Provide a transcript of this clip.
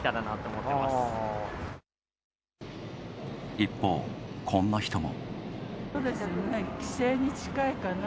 一方、こんな人も。